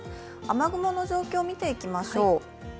雨雲の状況を見ていきましょう。